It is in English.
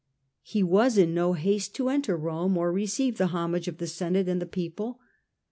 He was in no haste to enter Rome or receive the homage of the senate and the people.